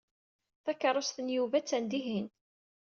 Takeṛṛust n Yuba attan dihin.